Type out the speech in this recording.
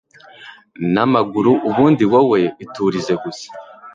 namaguru ubundi wowe iturize gusa